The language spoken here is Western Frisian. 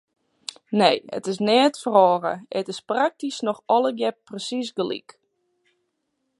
Nee, it is neat feroare, it is praktysk noch allegear presiis gelyk.